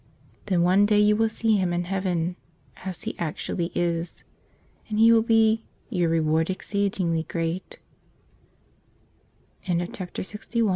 Then one day you will see Him in heaven, as He actually is; and He will be "your reward exceeding gre